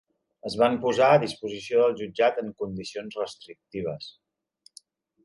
Es van posar a disposició del jutjat en condicions restrictives.